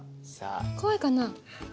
怖いかな？